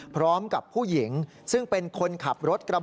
พร้อมกับผู้หญิงซึ่งเป็นคนขับรถกระบะ